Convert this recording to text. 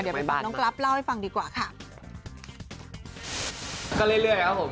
เดี๋ยวไปฟังน้องกรัฟเล่าให้ฟังดีกว่าค่ะก็เรื่อยเรื่อยครับผม